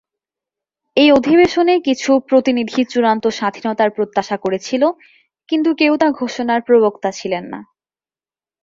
এই অধিবেশনে কিছু প্রতিনিধি চূড়ান্ত স্বাধীনতার প্রত্যাশা করেছিল কিন্তু কেউ তা ঘোষণার প্রবক্তা ছিলেন না।